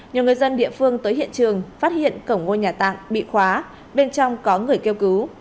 nhiều người dân địa phương tới hiện trường phát hiện cổng ngôi nhà tạm bị khóa bên trong có người kêu cứu